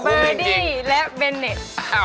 บึ่ดี้และเบนเนท